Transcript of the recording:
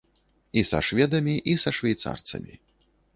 І са шведамі, і са швейцарцамі.